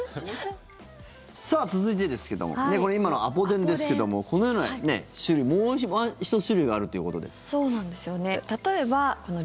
さあ、続いてですけども今のはアポ電ですけどもこのような種類もう１種類あるということで。